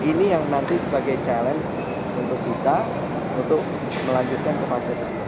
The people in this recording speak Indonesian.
ini yang nanti sebagai challenge untuk kita untuk melanjutkan ke fase